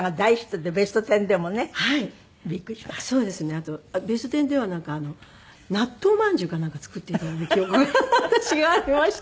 あと『ベストテン』では納豆まんじゅうかなんか作って頂いた記憶がありました。